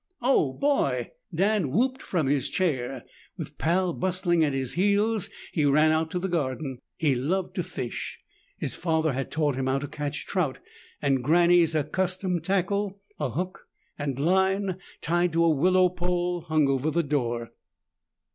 "Oh, boy!" Dan whooped from his chair. With Pal bustling at his heels, he ran out to the garden. He loved to fish, his father had taught him how to catch trout, and Granny's accustomed tackle, a hook and line tied to a willow pole, hung over the door.